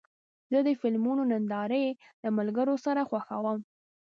زه د فلمونو نندارې له ملګرو سره خوښوم.